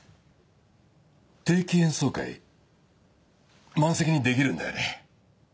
定期演奏会満席にできるんだよね？